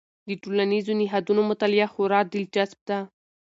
د ټولنیزو نهادونو مطالعه خورا دلچسپ ده.